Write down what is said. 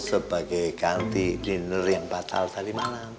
sebagai ganti dinner yang batal tadi malam